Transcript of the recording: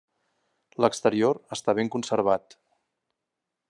L'exterior està ben conservat.